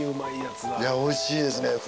いやおいしいですね。